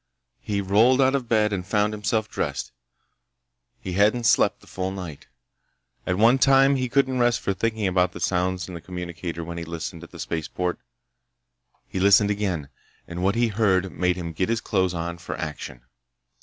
He rolled out of bed and found himself dressed. He hadn't slept the full night. At one time he couldn't rest for thinking about the sounds in the communicator when he listened at the spaceport. He listened again, and what he heard made him get his clothes on for action.